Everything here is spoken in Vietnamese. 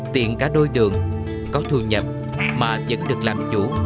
tiện cả đôi đường có thu nhập mà vẫn được làm chủ